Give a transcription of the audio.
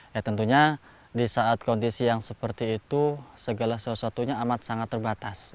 ya tentunya di saat kondisi yang seperti itu segala sesuatunya amat sangat terbatas